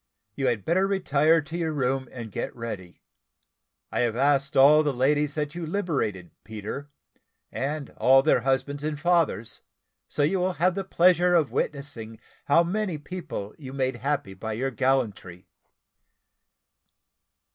You had better retire to your room and get ready. I have asked all the ladies that you liberated, Peter, and all their husbands and fathers, so you will have the pleasure of witnessing how many people you made happy by your gallantry.